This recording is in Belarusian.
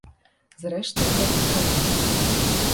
Зрэшты, як і краіна.